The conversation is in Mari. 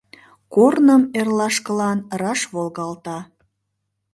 Корным эрлашкылан раш волгалта.